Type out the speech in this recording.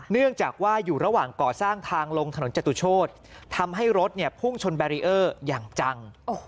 เนื่องจากว่าอยู่ระหว่างก่อสร้างทางลงถนนจตุโชธทำให้รถพุ่งชนแบรีเออร์อย่างจัง